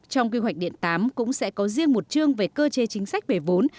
trong quy hoạch điện tám cũng sẽ có riêng một chương về cơ chế chính sách về vốn